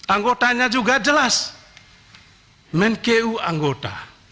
anggotanya juga jelas menku anggota